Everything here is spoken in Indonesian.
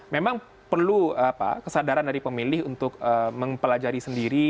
memang perlu kesadaran dari pemilih untuk mempelajari sendiri